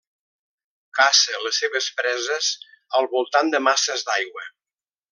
Caça les seves preses al voltant de masses d'aigua.